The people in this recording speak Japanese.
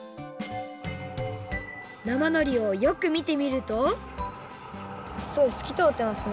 なまのりをよくみてみるとすごいすきとおってますね。